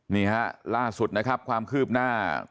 นี่ฮะล่าสุดนะครับความคืบหน้า